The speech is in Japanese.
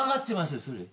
それ。